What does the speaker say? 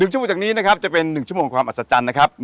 ชั่วโมงจากนี้นะครับจะเป็น๑ชั่วโมงความอัศจรรย์นะครับ